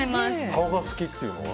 顔が好きっていうのは？